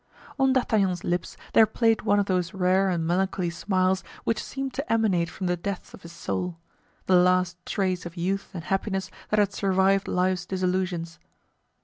On D'Artagnan's lips there played one of those rare and melancholy smiles which seemed to emanate from the depth of his soul—the last trace of youth and happiness that had survived life's disillusions.